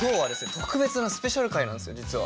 特別なスペシャル回なんですよ実は。